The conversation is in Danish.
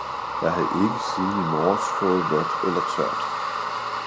jeg har ikke siden i morges fået vådt eller tørt!